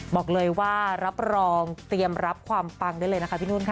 บอกเลยว่ารับรองเตรียมรับความปังได้เลยนะคะพี่นุ่นค่ะ